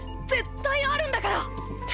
絶対あるんだから！